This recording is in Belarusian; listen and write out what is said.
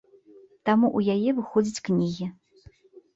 Там у яе выходзяць кнігі.